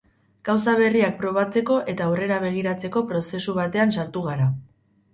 Gauza berriak probatzeko eta aurrera begiratzeko prozesu batean sartu gara.